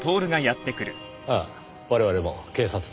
ああ我々も警察です。